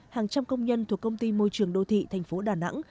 hàng trăm công nhân thuộc công ty môi trường đô thị thành phố đà nẵng